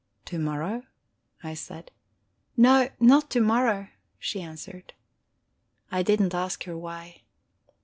"To morrow?" I said. "No, not to morrow," she answered. I did not ask her why.